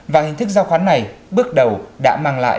và hình thức giao khoán này bước đầu đã mang lại